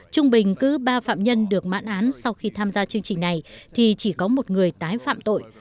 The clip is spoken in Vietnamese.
trung bình cứ ba phạm nhân được mãn án sau khi tham gia chương trình này thì chỉ có một người tái phạm tội